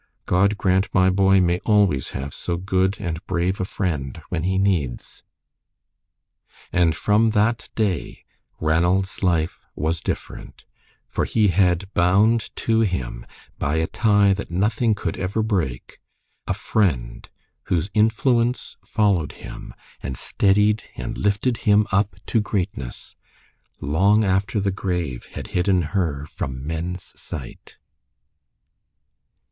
God grant my boy may always have so good and brave a friend when he needs." And from that day Ranald's life was different, for he had bound to him by a tie that nothing could ever break, a friend whose influence followed him, and steadied and lifted him up to greatness, long after the grave had hidden her from men's sight.